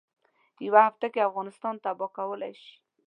یوه هفته کې افغانستان تباه کولای شي.